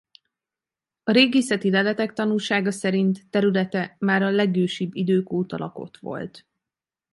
A régészeti leletek tanúsága szerint területe már a legősibb idők óta lakott volt.